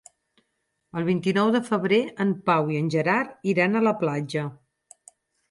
El vint-i-nou de febrer en Pau i en Gerard iran a la platja.